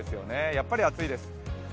やっぱり暑いです。